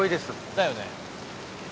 だよね。